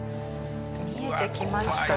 見えてきました。